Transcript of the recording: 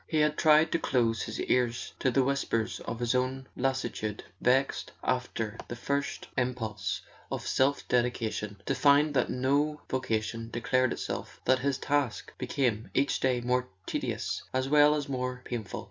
He had tried to close his ears to the whispers of his own lassitude, vexed, after the first impulse of self dedication, to find that no vocation declared itself, that his task became each day more tedious as well as more painful.